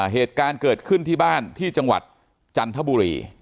เหตุการณ์เกิดขึ้นที่บ้านที่จังหวัดจันทบุรี